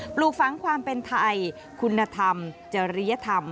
ปลูกฝังความเป็นไทยคุณธรรมจริยธรรม